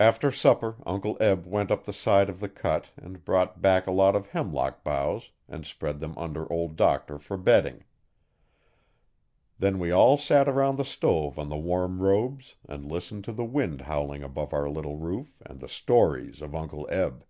After supper Uncle Eb went up the side of the cut and brought back a lot of hemlock boughs and spread them under Old Doctor for bedding. Then we all sat around the stove on the warm robes and listened to the wind howling above our little roof and the stories of Uncle Eb.